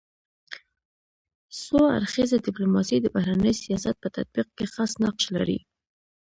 څو اړخیزه ډيپلوماسي د بهرني سیاست په تطبیق کي خاص نقش لري.